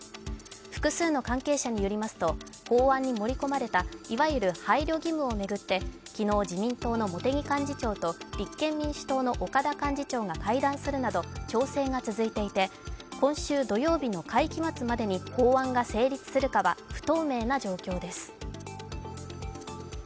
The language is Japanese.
複数の関係者によりますと法案に盛り込まれたいわゆる配慮義務を巡って昨日自民党の茂木幹事長と立憲民主党の岡田幹事長が会談するなど調整が続いていて今週土曜日の会期末までに法案が成立するかは不透明な状況です。